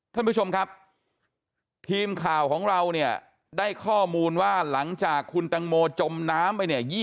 ท่านผู้ชมครับทีมข่าวของเราเนี่ยได้ข้อมูลว่าหลังจากคุณตังโมจมน้ำไปเนี่ย